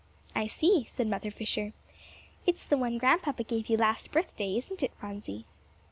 "I see," said Mother Fisher, "it's the one Grandpapa gave you last birthday, isn't it, Phronsie?"